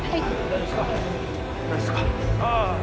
大丈夫ですか？